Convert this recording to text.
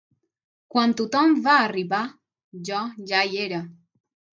Quan tothom va arribar jo ja hi era.